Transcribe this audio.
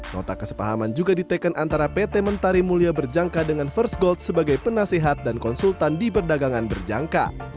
nota kesepahaman juga diteken antara pt mentari mulia berjangka dengan first gold sebagai penasehat dan konsultan di perdagangan berjangka